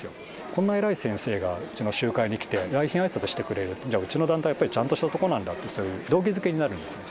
こんな偉い先生がうちの集会に来て、来賓あいさつをしてくれる、じゃあ、うちの団体、やっぱりちゃんとしたところなんだという、そういう動機づけになるんですね。